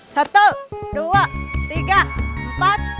satu dua tiga empat